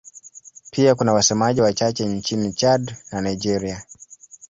Pia kuna wasemaji wachache nchini Chad na Nigeria.